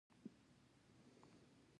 امريکايي ژړل.